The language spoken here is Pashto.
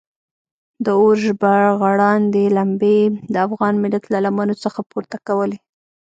د اور ژبغړاندې لمبې د افغان ملت له لمنو څخه پورته کولې.